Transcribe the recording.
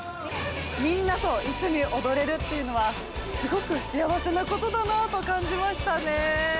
みんなと一緒に踊れるというのはすごく幸せなことだなと感じましたね。